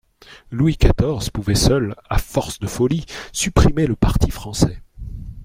Louis quatorze pouvait seul, à force de folies, supprimer le parti français.